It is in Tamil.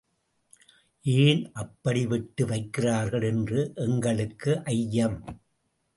ஏன் அப்படி விட்டு வைக்கிறார்கள்? என்று எங்களுக்கு ஐயம்.